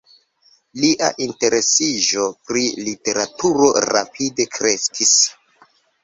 Lia interesiĝo pri literaturo rapide kreskis.